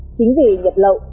chính vì nhập lậu